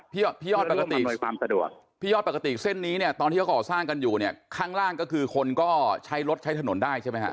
พี่ยอดปกติพี่ยอดปกติเส้นนี้เนี่ยตอนที่เขาก่อสร้างกันอยู่เนี่ยข้างล่างก็คือคนก็ใช้รถใช้ถนนได้ใช่ไหมฮะ